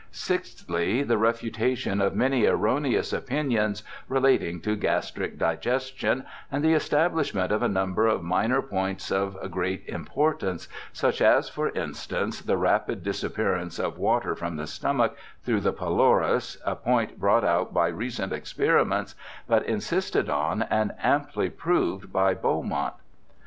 Sixthly, the refutation of many erroneous opinions relating to gastric digestion, and the establishment of a number of minor points of great importance, such as, for instance, the rapid disappearance of water from the stomach through the pylorus, a point brought out by recent experiments, but insisted on and amply proved by Beaumont.